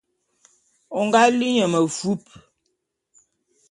O nga li nye mefup.